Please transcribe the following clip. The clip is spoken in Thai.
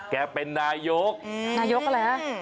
เป็นนายกนายกอะไรฮะ